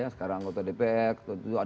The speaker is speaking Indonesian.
sekarang anggota dpf